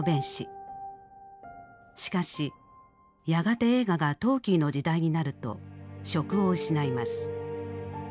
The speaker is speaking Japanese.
しかしやがて映画がトーキーの時代になると職を失います。